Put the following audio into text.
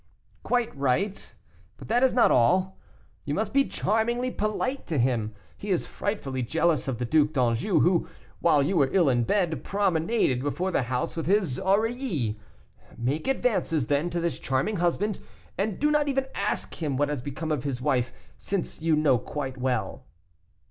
"Quite right; but that is not all, you must be charmingly polite to him; he is frightfully jealous of the Duc d'Anjou, who, while you were ill in bed, promenaded before the house with his Aurilly. Make advances, then, to this charming husband, and do not even ask him what has become of his wife, since you know quite well."